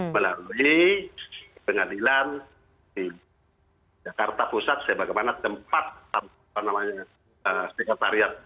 melalui pengadilan di jakarta pusat sebagai tempat sekatarian